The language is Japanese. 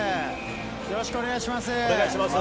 よろしくお願いします。